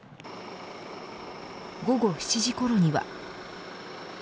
午後７時ごろには。